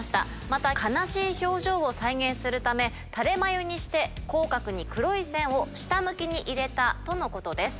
また悲しい表情を再現するためタレ眉にして口角に黒い線を下向きに入れたとのことです。